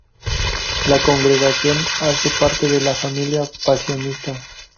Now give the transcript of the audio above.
La congregación hace parte de la Familia pasionista.